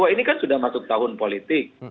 dua ribu dua puluh dua ini kan sudah masuk tahun politik